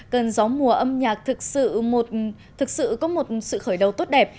cần gió mùa âm nhạc thực sự có một sự khởi đầu tốt đẹp